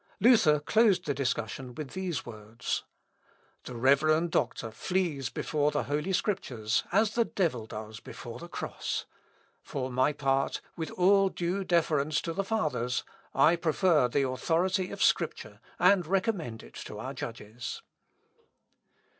Luther closed the discussion with these words: "The reverend doctor flees before the Holy Scriptures, as the devil does before the cross. For my part, with all due deference to the Fathers, I prefer the authority of Scripture, and recommend it to our judges."